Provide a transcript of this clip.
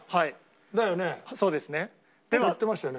だよね？